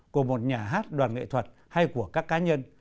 của một nhà hát đoàn nghệ thuật hay của các cá nhân